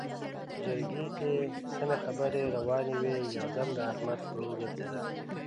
په جرګه کې سمې خبرې روانې وې؛ يو دم د احمد خوله وګرځېده.